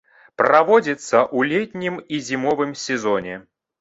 Праводзіцца ў летнім і зімовым сезоне.